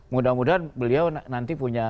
mudah mudahan beliau nanti punya